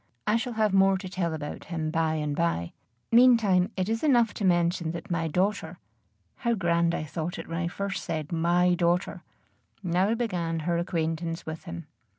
I shall have more to tell about him by and by. Meantime it is enough to mention that my daughter how grand I thought it when I first said my daughter! now began her acquaintance with him.